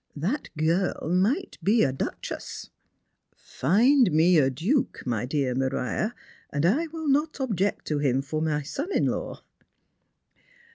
That girl might be a duchess." " Find me a duke, my dear Maria, and I will not object to him for my son in law."